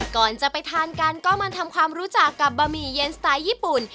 ก่อนจะไปทานกันก็มาทำความรู้จักกับบะหมี่เย็นสไตล์ญี่ปุ่น